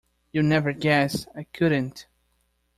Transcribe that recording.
You’ll never guess! I couldn’t.